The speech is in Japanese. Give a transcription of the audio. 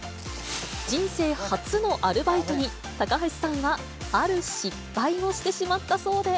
人生初のアルバイトに、高橋さんはある失敗をしてしまったそうで。